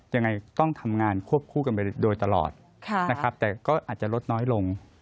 ยังไงต้องทำงานควบคู่กันไปโดยตลอดนะครับแต่ก็อาจจะลดน้อยลง